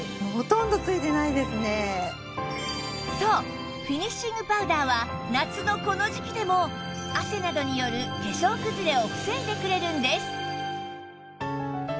そうフィニッシングパウダーは夏のこの時季でも汗などによる化粧くずれを防いでくれるんです